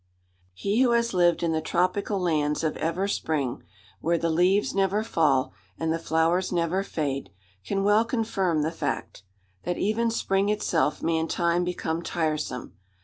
He who has lived in the tropical lands of ever spring where the leaves never fall, and the flowers never fade can well confirm the fact: that even spring itself may in time become tiresome!